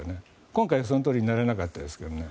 今回はそのとおりにならなかったですけどね。